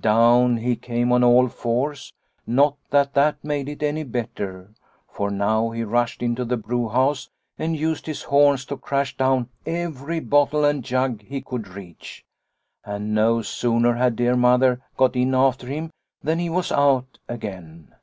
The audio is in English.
Down he came on all fours, not that that made it any better, for now he rushed into the brewhouse and used his horns to crash down every bottle and jug he could reach. And no sooner had dear Mother got in after him than he was out again.